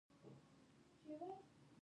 طنز تکل ادبي ټوټه او سفرنامه هم شته.